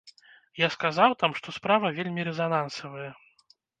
Я сказаў там, што справа вельмі рэзанансавая.